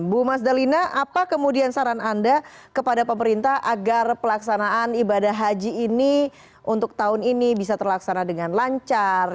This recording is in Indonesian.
bu mazdalina apa kemudian saran anda kepada pemerintah agar pelaksanaan ibadah haji ini berjalan dengan lancar